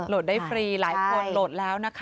ได้ฟรีหลายคนโหลดแล้วนะคะ